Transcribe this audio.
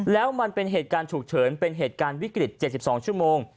แล้วมันเป็นเหตุการณ์ฉุกเฉินเป็นเหตุการณ์วิกฤต๗๒ชั่วโมง